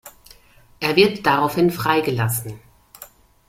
Er wird daraufhin freigelassen.